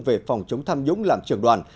về phòng chống tham nhũng làm trường đoàn